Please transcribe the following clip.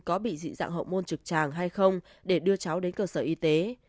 có bị dị dạng hậu môn trực tràng hay không để đưa cháu đến cơ sở y tế